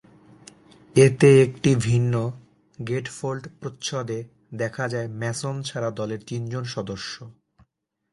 এতে একটি ভিন্ন গেটফোল্ড প্রচ্ছদে দেখা যায় ম্যাসন ছাড়া দলের তিনজন সদস্য।